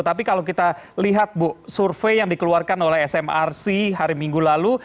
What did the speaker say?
tapi kalau kita lihat bu survei yang dikeluarkan oleh smrc hari minggu lalu